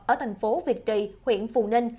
ở thành phố việt trì huyện phù ninh